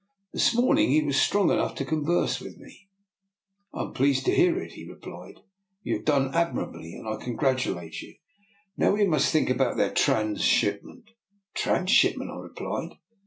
This morning he was strong enough to converse with me." I am pleased to hear it," he replied. You have done admirably, and I congratu late you. Now we must think about their trans shipment." "Trans shipment?" I replied.